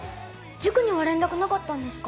塾には連絡なかったんですか？